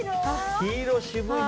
黄色、渋いな。